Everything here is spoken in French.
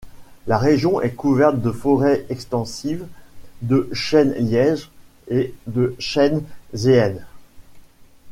La région est couverte de forêts extensives de chênes-lièges et de chênes zéens.